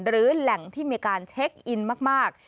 หรือแหล่งที่มีการเช็คอินมาก